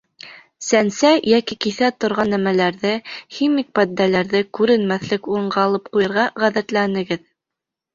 Сәнсә йәки киҫә торған нәмәләрҙе, химик матдәләрҙе күренмәҫлек урынға алып ҡуйырға ғәҙәтләнегеҙ.